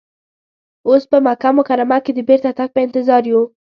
اوس په مکه مکرمه کې د بیرته تګ په انتظار یو.